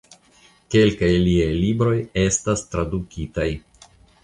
Kelkaj liaj libroj estas tradukitaj.